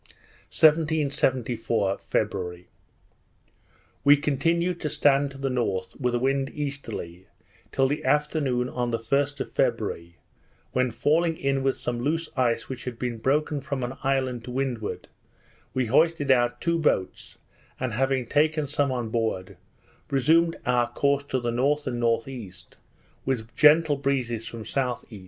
1774 February We continued to stand to the north, with the wind easterly, till the afternoon on the first of February, when falling in with some loose ice which had been broken from an island to windward we hoisted out two boats, and having taken some on board, resumed our course to the N. and N.E., with gentle breezes from S.E.